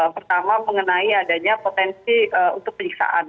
pertama mengenai adanya potensi untuk penyiksaan